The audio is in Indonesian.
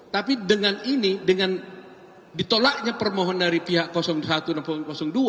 tapi dengan ini dengan ditolaknya permohonan dari pihak satu dan dua